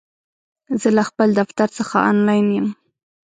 زه له خپل دفتر څخه آنلاین یم!